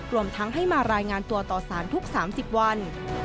รวมทั้งให้มารายงานตัวต่อสารทุก๓๐วัน